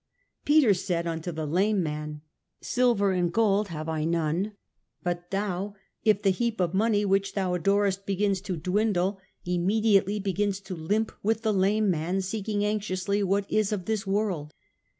Peter said unto the lame man :* Silver and Gold have I none,' but thou, if the heap of money which thou adorest begins to dwindle, immediately begins to limp with the lame man, seeking anxiously what is of this world.